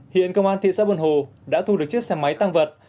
hiện công an thị xã buồn hồ đã thu được chiếc xe máy tăng vật